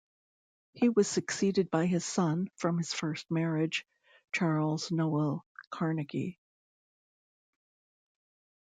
He was succeeded by his son from his first marriage, Charles Noel Carnegie.